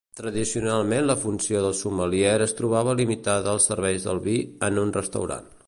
Tradicionalment la funció del sommelier es trobava limitada als serveis del vi en un restaurant.